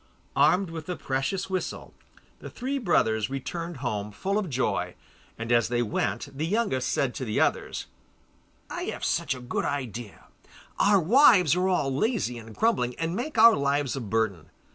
Armed with the precious whistle, the three brothers returned home full of joy, and as they went the youngest said to the others, 'I have such a good idea! Our wives are all lazy and grumbling, and make our lives a burden.